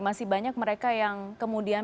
masih banyak mereka yang kemudian